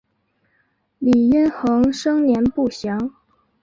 李殷衡生年不详。